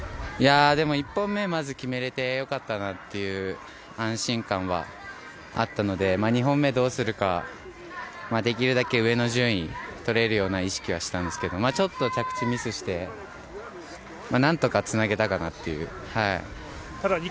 でも１本目、まず決めれてよかったなという安心感があったので２本目、どうするかできるだけ上の順位をとれるよう意識したんですけどちょっと着地ミスしてなんとかつなげたかなっていう。